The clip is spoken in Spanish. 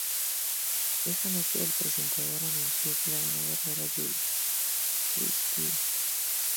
Esa noche, el presentador anunció que la ganadora era Julie... Christie.